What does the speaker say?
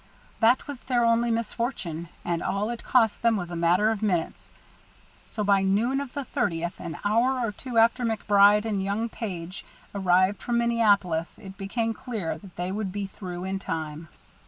That was their only misfortune, and all it cost them was a matter of minutes, so by noon of the thirtieth, an hour or two after MacBride and young Page arrived from Minneapolis, it became clear that they would be through in time.